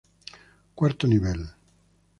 Cuarto nivel.